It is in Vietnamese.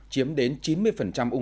chiếm đến chín mươi ung thư